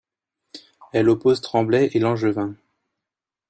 Elle oppose Tremblay et Langevin.